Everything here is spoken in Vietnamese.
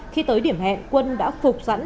khi tới điểm hẹn quân đã phục sẵn